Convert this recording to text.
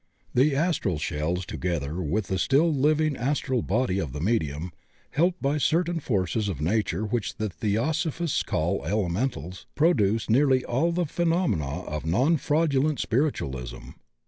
The astral shells together with the still living as tral body of the medium, helped by certain forces of nature which the Theosophists call "elementals," pro duce nearly all the phenomena of non fraudulent spir itualism.